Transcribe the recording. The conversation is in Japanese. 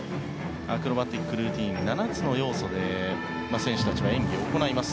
アクロバティックルーティン、７つの要素で選手たちが演技を行います。